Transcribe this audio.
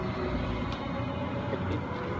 এটা কি, mister Devlin?